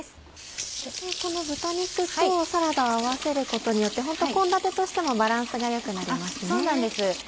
この豚肉とサラダ合わせることによってホント献立としてもバランスが良くなりますね。